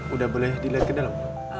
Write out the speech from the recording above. udah boleh di layar ke dalam